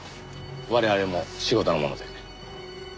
我々も仕事なもので。